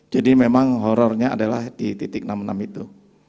jadi memang horornya adalah di titik enam enam itu